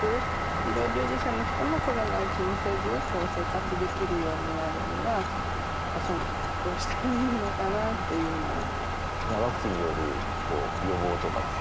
医療従事者の人もコロナを気にせず生活できるようになるにはどうしたらいいのかなっていうのは。